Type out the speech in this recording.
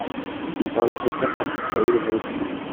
il parlait de sa sœur partie travailler dans un autre pays.